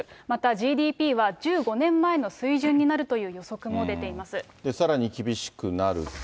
またＧＤＰは１５年前の水準になるという予測も出ています。